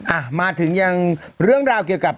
อ่ะมาถึงยังเรื่องราวเกี่ยวกับ